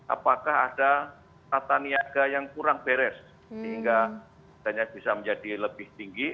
apakah ada tata niaga yang kurang beres sehingga bisa menjadi lebih tinggi